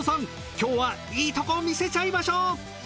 今日はいいとこ見せちゃいましょう。